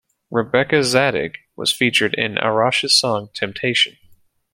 Rebecca Zadig was featured in Arash's song "Temptation".